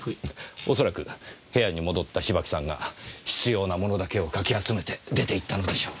恐らく部屋に戻った芝木さんが必要なものだけをかき集めて出て行ったのでしょう。